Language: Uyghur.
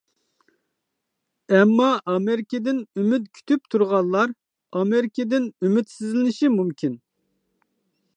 ئەمما ئامېرىكىدىن ئۈمىد كۈتۈپ تۇرغانلار ئامېرىكىدىن ئۈمىدسىزلىنىشى مۇمكىن.